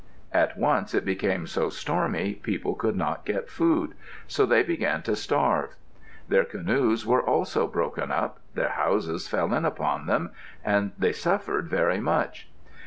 At once it became so stormy people could not get food, so they began to starve. Their canoes were also broken up, their houses fell in upon them, and they suffered very much.